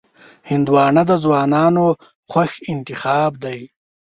هندوانه د ځوانانو خوښ انتخاب دی.